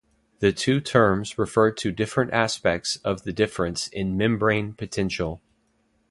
The two terms refer to different aspects of the difference in membrane potential.